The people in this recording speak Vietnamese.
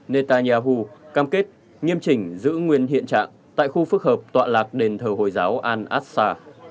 netanyahu cam kết nghiêm chỉnh giữ nguyên hiện trạng tại khu phức hợp tọa lạc đền thờ hồi giáo al assag